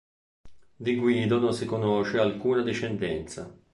Di Guido non si conosce alcuna discendenza.